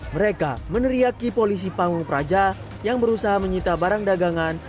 mereka meneriaki polisi panggung praja yang berusaha menyita barang dagangan